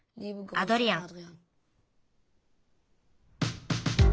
アドリアン」。